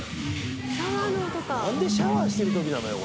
何でシャワーしてる時なのよ